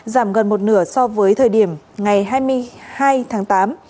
giảm gần một nửa so với thời điểm ngày hai mươi hai tháng tám